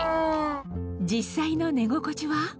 実際の寝心地は？